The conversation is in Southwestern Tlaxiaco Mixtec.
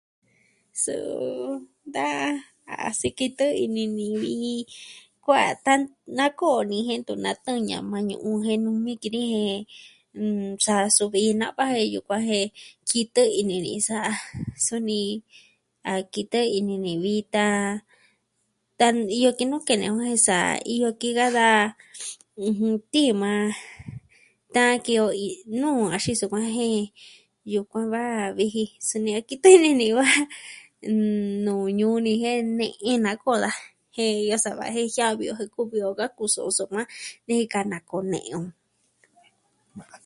Suu da a sikitɨ ini ni vi, kuaan tan... nakoo ni jen ntu natɨɨn ñama ñu'un jen nuu mii ki ni jen... N... sa su vi na va'a iyo kua jen kitɨ ini ni sa. Suni, a kitɨ ini ni vi ta, tan, iyo ki nuu kene o jen sa iyo ki ka daa tii maa... tan ki iyo i nuu axin sukuan, iyo kuaa da viji suni a kitɨ ini ni va nuu ñuu ni jen ne'in nakoo daa jen iyo sava jen jiavi o jen kuvi o ka kuso, soma, nejika nakoo nee o.